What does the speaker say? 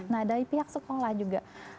nah dari pihak sekolah juga